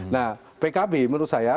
nah pkb menurut saya